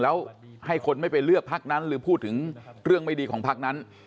แล้วให้คนไม่ไปเลือกพักนั้นหรือพูดถึงเรื่องไม่ดีของพักนั้น